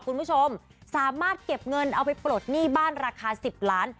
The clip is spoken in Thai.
คุณผู้ชมสามารถเก็บเงินเอาไปปลดหนี้บ้านราคา๑๐ล้าน